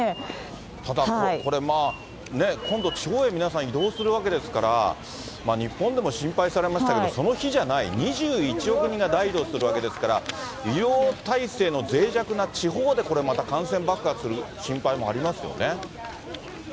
ただこれ、まあね、今度地方へ皆さん移動するわけですから、日本でも心配されましたけど、その比じゃない、２１億人が大移動するわけですから、医療体制のぜい弱な地方で、これまた、感染爆発する心配もありますよね。